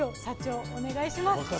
社長お願いします。